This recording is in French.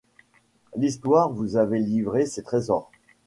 L’histoire vous avait livré ses trésors.